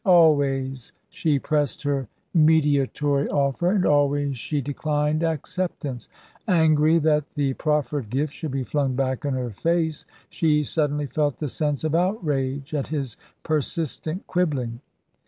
Always she pressed her mediatory offer, and always she declined acceptance. Angry that the proffered gift should be flung back in her face, she suddenly felt a sense of outrage at his persistent quibbling.